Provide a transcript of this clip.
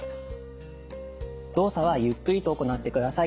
動作はゆっくりと行ってください。